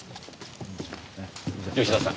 吉田さん